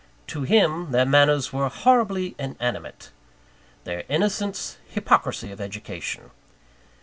To him, their manners were horribly inanimate; their innocence, hypocrisy of education.